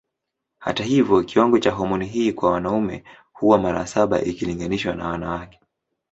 Hata hivyo kiwango cha homoni hii kwa wanaume huwa mara saba ikilinganishwa na wanawake.